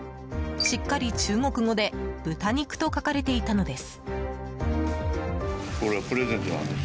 しっかり中国語で豚肉と書かれていたのです。